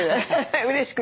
うれしくて。